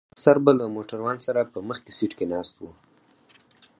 یو افسر به له موټروان سره په مخکي سیټ ناست و.